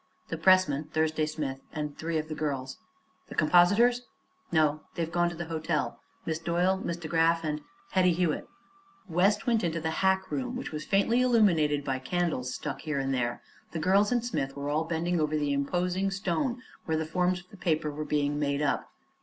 "The pressman Thursday Smith and three of the girls." "The compositors?" "No; they've gone to the hotel. Miss Doyle, Miss DeGraf, and Hetty Hewitt." West went into the hack room, which was faintly illumined by candles stuck here and there. The girls and Smith were all bending over the imposing stone, where the forms of the paper were being made up.